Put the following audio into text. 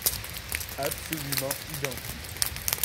Absolument identique.